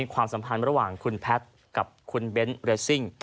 ความสัมภัยระหว่างคุณแพทท์กับคุณเบ้นซิ่ง